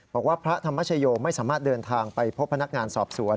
พระธรรมชโยไม่สามารถเดินทางไปพบพนักงานสอบสวน